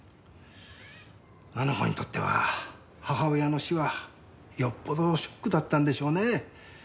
あの子にとっては母親の死はよっぽどショックだったんでしょうね。